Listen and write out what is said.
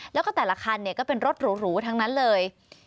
แล้วก็แต่ละคันก็เป็นรถหรูทั้งนั้นเลย